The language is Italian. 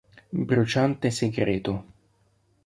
Bruciante segreto